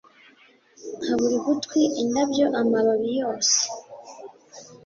nka buri gutwi, indabyo, amababi yose